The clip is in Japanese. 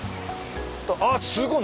あっすごい。